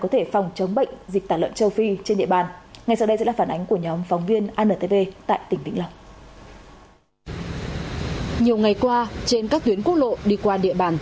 trên địa bàn